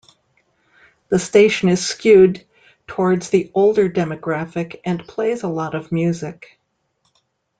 The station is skewed towards the older demographic and plays a lot of music.